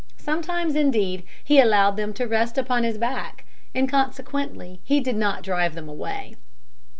Sometimes, indeed, he allowed them to rest upon his back; and consequently he did not drive them away.